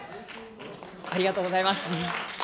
ありがとうございます。